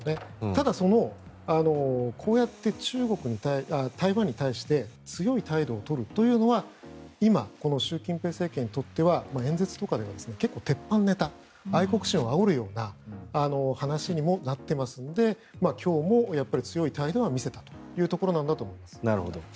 ただ、こうやって台湾に対して強い態度を取るというのは今、この習近平政権にとっては演説とかでは結構、鉄板ネタ愛国心をあおるような話にもなっていますので今日もやっぱり強い態度は見せたというところなんだと思います。